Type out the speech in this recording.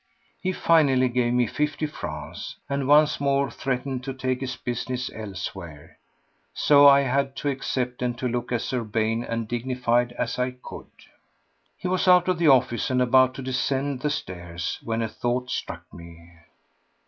He finally gave me fifty francs, and once more threatened to take his business elsewhere, so I had to accept and to look as urbane and dignified as I could. He was out of the office and about to descend the stairs when a thought struck me.